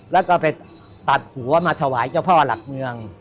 แล้วก็ไปตัดหัวมาถวายเจ้าพ่อหลักเมือง